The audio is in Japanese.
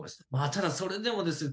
ただそれでもですね